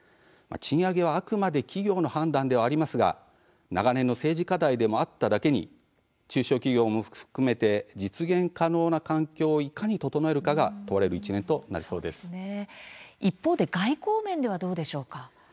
賃上げはあくまで企業の判断ではありますが長年の政治課題でもあっただけに中小企業も含めて実現可能な環境をいかに整えるかが一方で外交面はどうでしょうか。